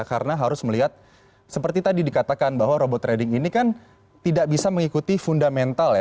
karena harus melihat seperti tadi dikatakan bahwa robot trading ini kan tidak bisa mengikuti fundamental